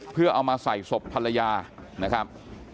เพื่อเอามาใส่ศพภรรยานะครับ